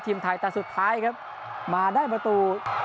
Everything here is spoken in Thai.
ทีมไทยแต่สุดท้ายครับมาได้ประตู